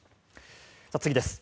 次です。